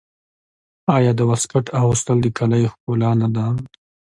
آیا د واسکټ اغوستل د کالیو ښکلا نه ده؟